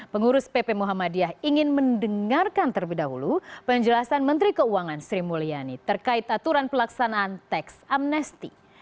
pengurus pp muhammadiyah ingin mendengarkan terlebih dahulu penjelasan menteri keuangan sri mulyani terkait aturan pelaksanaan teks amnesti